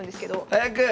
早く！